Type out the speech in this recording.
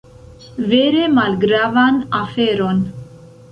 Vere malgravan aferon.